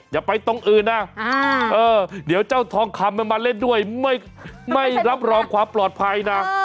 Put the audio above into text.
อย่าไปตรงอื่นนะเดี๋ยวเจ้าทองคำมันมาเล่นด้วยไม่รับรองความปลอดภัยนะ